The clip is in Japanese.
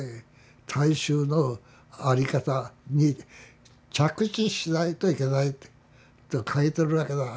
大衆の在り方に着地しないといけないって書いとるわけだ。